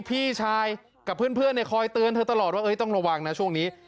พี่ชายกับเพื่อนคอยเตือนเธอตลอดว่าต้องระวังนะช่วงนี้